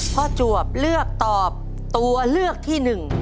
ข้อจวบเลือกตอบตัวเลือกที่หนึ่ง